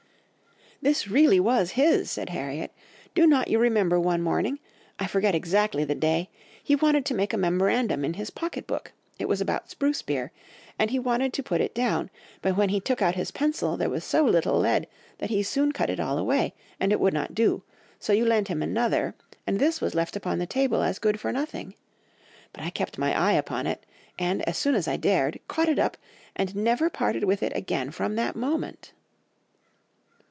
"'This was really his,' said Harriet. 'Do not you remember one morning? ... I forget exactly the day ... he wanted to make a memorandum in his pocket book; it was about spruce beer ... and he wanted to put it down; but when he took out his pencil there was so little lead that he soon cut it all away, and it would not do, so you lent him another, and this was left upon the table as good for nothing. But I kept my eye upon it; and, as soon as I dared, caught it up, and never parted with it again from that moment.